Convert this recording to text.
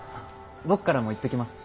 僕からも言っときます。